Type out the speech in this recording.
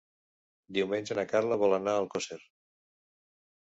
Diumenge na Carla vol anar a Alcosser.